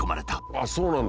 あっそうなんだ。